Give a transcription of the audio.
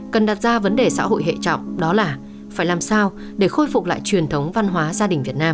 cần đặt ra vấn đề xã hội hệ trọng đó là phải làm sao để khôi phục lại truyền thống văn hóa gia đình việt nam